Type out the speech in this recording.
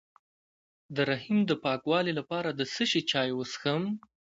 د رحم د پاکوالي لپاره د څه شي چای وڅښم؟